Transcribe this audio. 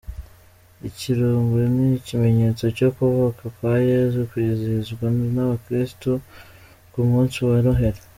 Ikirugu ni ikimenyetso cyo kuvuka kwa Yesu kwizihizwa nabakristu ku munsi wa Noheli.